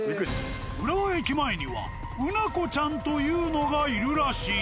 浦和駅前にはうなこちゃんというのがいるらしい。